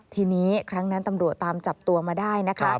ทีนี้ครั้งนั้นตำรวจตามจับตัวมาได้นะคะ